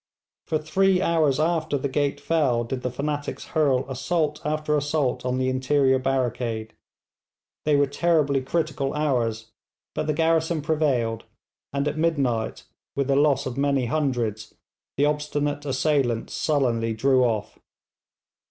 For three hours after the gate fell did the fanatics hurl assault after assault on the interior barricade. They were terribly critical hours, but the garrison prevailed, and at midnight, with a loss of many hundreds, the obstinate assailants sullenly drew off.